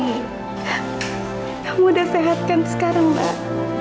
kamu udah sehat kan sekarang mbak